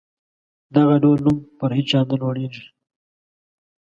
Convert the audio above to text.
دغه ډول نوم پر هیچا نه لورېږي.